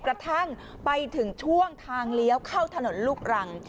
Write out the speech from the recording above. กระทั่งไปถึงช่วงทางเลี้ยวเข้าถนนลูกรัง